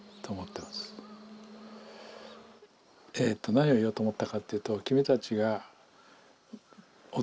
何を言おうと思ったかっていうと。